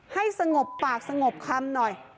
ให้สงบปากสงบคำหน่อย